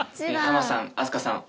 ハマさん飛鳥さん